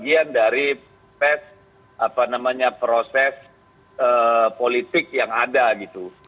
semuanya itu tentu adalah bagian dari proses politik yang ada gitu